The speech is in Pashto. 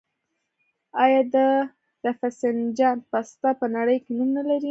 آیا د رفسنجان پسته په نړۍ کې نوم نلري؟